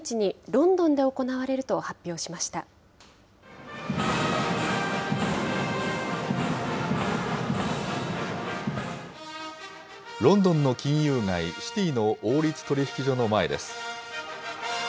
ロンドンの金融街、シティーの王立取引所の前です。